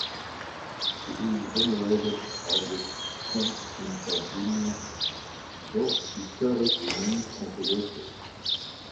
He is venerated as a Saint in Sardinia, though his status remains controversial.